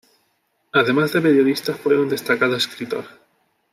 Además de periodista, fue un destacado escritor.